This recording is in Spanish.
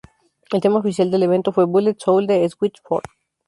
El tema oficial del evento fue ""Bullet Soul"" de Switchfoot.